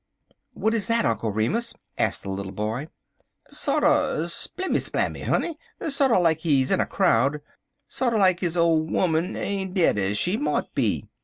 "What is that, Uncle Remus?" asked the little boy. "Sorter splimmy splammy, honey sorter like he in a crowd sorter like his ole 'oman ain't dead ez she mout be.